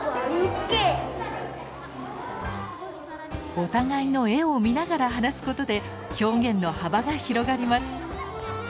お互いの絵を見ながら話すことで表現の幅が広がります。